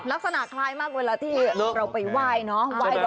ลักษณะคล้ายมากเวลาที่เราไปไหว้เนาะ